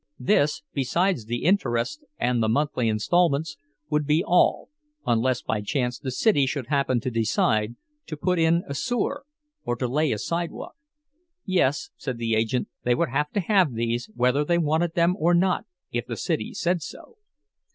This, besides the interest and the monthly installments, would be all—unless by chance the city should happen to decide to put in a sewer or to lay a sidewalk. Yes, said the agent, they would have to have these, whether they wanted them or not, if the city said so.